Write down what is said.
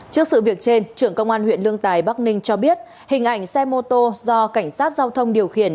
trước sự việc trên trưởng công an huyện lương tài bắc ninh cho biết hình ảnh xe mô tô do cảnh sát giao thông điều khiển